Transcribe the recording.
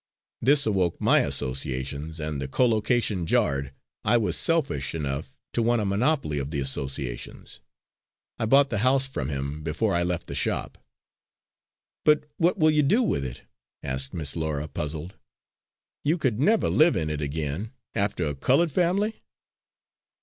This awoke my associations, and the collocation jarred I was selfish enough to want a monopoly of the associations. I bought the house from him before I left the shop." "But what will you do with it?" asked Miss Laura, puzzled. "You could never live in it again after a coloured family?"